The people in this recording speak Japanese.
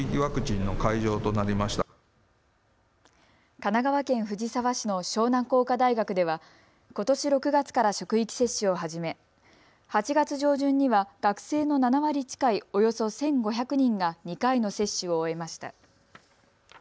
神奈川県藤沢市の湘南工科大学ではことし６月から職域接種を始め８月上旬には学生の７割近いおよそ１５００人が２回の接種を終えました。